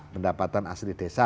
pendapatan asli desa